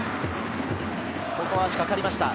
ここは足かかりました。